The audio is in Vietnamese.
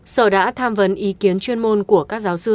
sở đã tham vấn ý kiến chuyên môn của các giáo sư